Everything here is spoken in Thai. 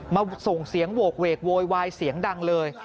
มาส่งเสียงโหกเวกโวยวายเสียงดังเลย